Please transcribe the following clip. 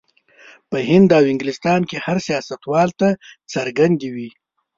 په هند او انګلستان کې هر سیاستوال ته څرګندې وې.